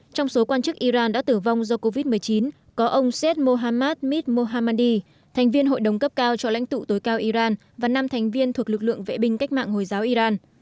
trong số quan chức iran đã tử vong do covid một mươi chín có ông seth mohammad mit mohammadi thành viên hội đồng cấp cao cho lãnh tụ tối cao iran và năm thành viên thuộc lực lượng vệ binh cách mạng hồi giáo iran